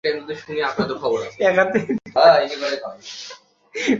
আকামাদের রোজগার দিচ্ছি আমরা।